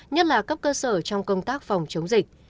nhất là cấp cơ sở trong công tác phòng chống dịch